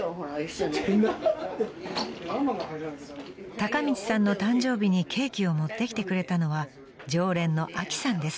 ［孝道さんの誕生日にケーキを持ってきてくれたのは常連のあきさんです］